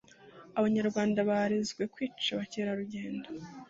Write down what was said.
Abanyarwanda barezwe kwica abakerarugendo